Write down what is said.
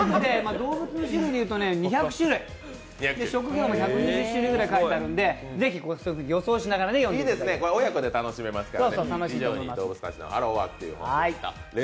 動物の種類でいうと全部で２００種類、職業も１２０種類ぐらい書いてあるんで、ぜひ予想しながら読んでみてください。